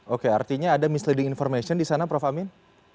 oke artinya ada misleading information disana prof amin